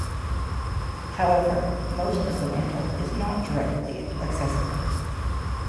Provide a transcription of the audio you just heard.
However, most of the mantle is not directly accessible.